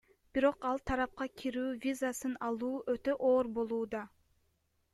Бирок ал тарапка кирүү визасын алуу өтө оор болууда.